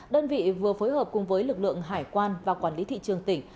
đơn vị vừa phối hợp cùng với lực lượng hải quan và quản lý thị trường tỉnh